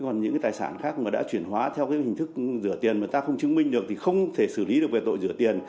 còn những cái tài sản khác mà đã chuyển hóa theo hình thức rửa tiền mà ta không chứng minh được thì không thể xử lý được về tội rửa tiền